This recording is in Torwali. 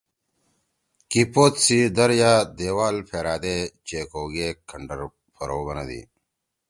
کی پوت سی در یأ دیوال پھرأدے چےکؤ گے کنڈرَپھرؤ بنَدی۔